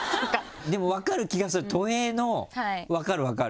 でも分かる気がする都営の分かる分かる。